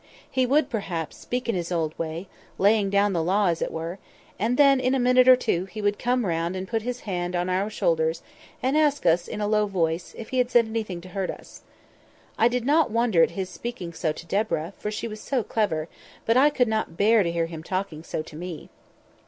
He would, perhaps, speak in his old way—laying down the law, as it were—and then, in a minute or two, he would come round and put his hand on our shoulders, and ask us in a low voice, if he had said anything to hurt us. I did not wonder at his speaking so to Deborah, for she was so clever; but I could not bear to hear him talking so to me.